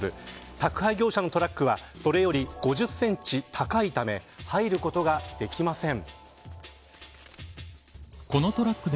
宅配業者のトラックはそれより５０センチ高いため入ることができません。